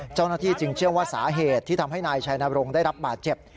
เจ้าหน้าที่จึงเชื่อว่าสาเหตุที่ทำให้นายชัยนรงค์ได้รับบาดเจ็บ